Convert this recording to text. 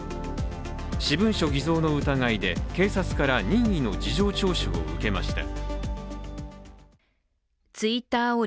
私文書偽造の疑いで警察から任意の事情聴取を受けました。